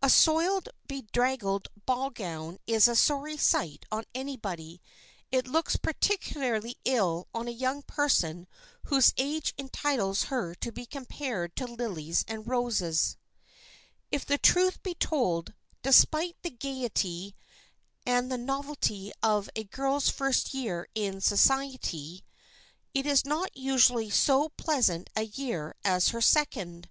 A soiled, bedraggled ball gown is a sorry sight on anybody. It looks particularly ill on a young person whose age entitles her to be compared to lilies and roses. [Sidenote: THE SECOND SEASON] If the truth be told, despite the gaiety and the novelty of a girl's first year in society, it is not usually so pleasant a year as her second.